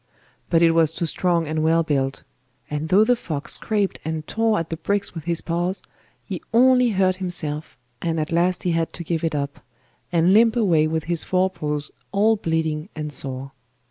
But it was too strong and well built; and though the fox scraped and tore at the bricks with his paws he only hurt himself, and at last he had to give it up, and limp away with his fore paws all bleeding and sore.